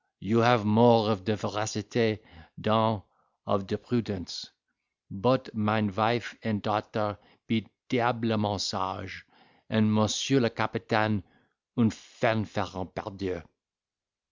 you have more of de veracite dan of de prudence—bot mine vife and dater be diablement sage, and Monsieur le Capitaine un fanfaron, pardieu!"